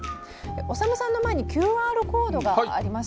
おさむさんの前にＱＲコードがあります。